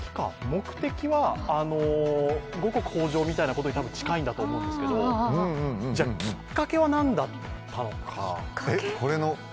目的は五穀豊穣みたいなことに近いんだと思うんですけどきっかけは何だったのか。